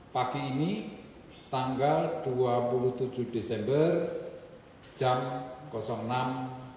pagi ini tanggal dua puluh tujuh desember jam enam